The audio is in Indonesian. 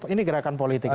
ini gerakan politik